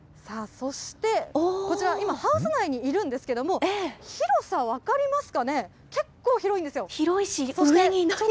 そして、こちら今、ハウス内にいるんですけども、広さ分かりますかね、結構広いんですよ。